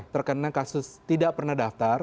terkena kasus tidak pernah daftar